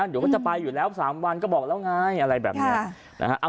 เดี๋ยวก็จะไปอยู่แล้ว๓วันก็บอกแล้วไงอะไรแบบนี้นะฮะ